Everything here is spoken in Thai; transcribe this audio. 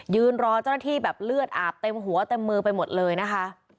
ยืนรอเจ้าหน้าที่แบบเลือดอาบเต็มหัวเต็มมือไปหมดเลยนะคะ